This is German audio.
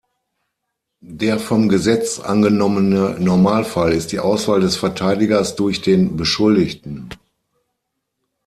Der vom Gesetz angenommene Normalfall ist die Auswahl des Verteidigers durch den Beschuldigten.